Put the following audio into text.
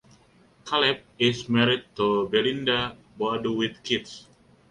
Caleb is married to Belinda Boadu with kids.